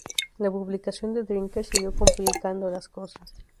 La publicación de "Drinker" siguió complicando las cosas.